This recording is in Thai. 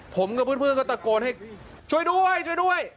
ผมกับเพื่อนก็ตะโกนให้ช่วยด้วยช่วยด้วย